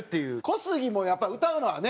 小杉もやっぱり歌うのはね。